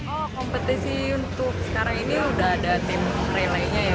oh kompetisi untuk sekarang ini udah ada tim relay nya ya